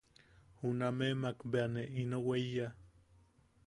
Junameʼemak bea ne ino weiya.